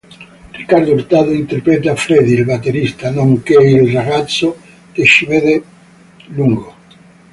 Ricardo Hurtado: interpreta Freddy, il batterista, nonché il ragazzo che 'ci vede lungo'.